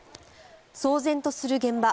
騒然とする現場。